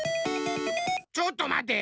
ちょっとまて。